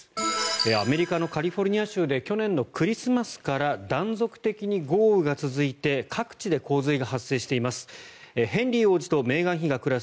アメリカのカリフォルニア州で去年のクリスマスから断続的に豪雨が続いて各地で洪水が発生しています。